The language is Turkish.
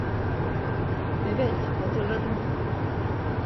Evet, hatırladım.